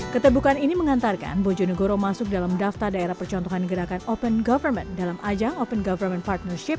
keterbukaan ini mengantarkan bojonegoro masuk dalam daftar daerah percontohan gerakan open government dalam ajang open government partnership